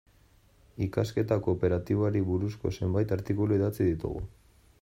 Ikasketa kooperatiboari buruzko zenbait artikulu idatzi ditugu.